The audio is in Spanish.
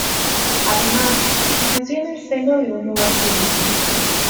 Además, creció en el seno de un hogar judío.